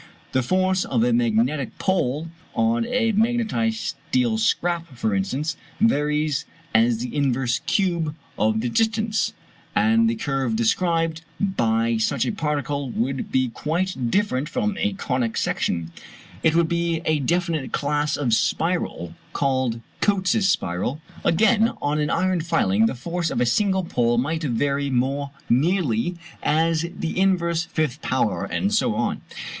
The force of a magnetic pole on a magnetized steel scrap, for instance, varies as the inverse cube of the distance; and the curve described by such a particle would be quite different from a conic section it would be a definite class of spiral (called Cotes's spiral). Again, on an iron filing the force of a single pole might vary more nearly as the inverse fifth power; and so on.